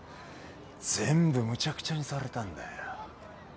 全部むちゃくちゃにされたんだよ。